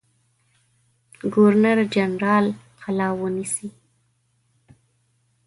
ګورنر جنرال قلا ونیسي.